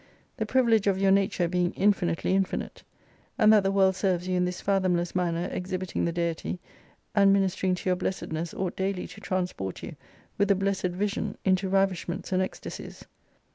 The privilege of your nature being infinitely infinite. And that the world serves you in this fathomless manner, exhibiting the Deity, and ministering to your blessedness, ought daily to transport you with a blessed vision, into ravish ments and ecstasies.